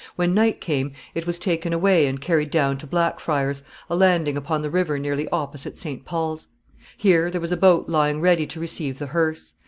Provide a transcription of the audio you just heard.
When night came, it was taken away and carried down to Blackfriar's a landing upon the river nearly opposite Saint Paul's. Here there was a boat lying ready to receive the hearse.